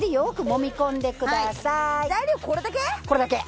これだけ。